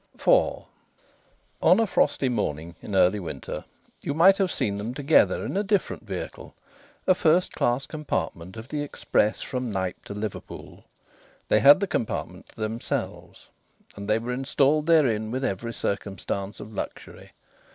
IV On a frosty morning in early winter you might have seen them together in a different vehicle a first class compartment of the express from Knype to Liverpool. They had the compartment to themselves, and they were installed therein with every circumstance of luxury.